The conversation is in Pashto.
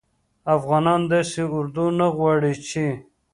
افغانان داسي اردو نه غواړي چې